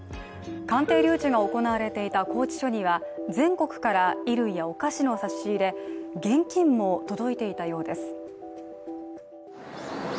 鑑定留置が行われていた拘置所には全国から衣類やお菓子の差し入れ、現金も届いていたようです。